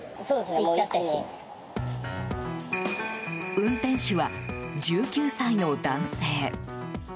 運転手は１９歳の男性。